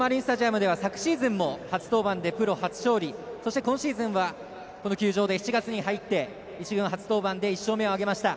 マリンスタジアムでは昨シーズンも初登板で初勝利今シーズンは７月に入って１軍で１勝目を挙げました。